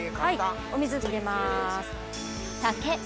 お水入れます。